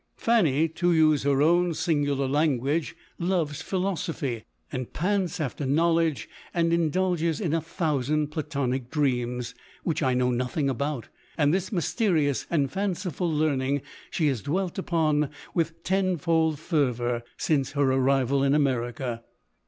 Fanny, to use her own 224 LODORE. singular language, loves philosophy, and pants after knowledge, and indulges in a thousand Pla tonic dreams, which I know nothing about ; and this mysterious and fanciful learning she has dwelt upon with tenfold fervour since her arrival in America.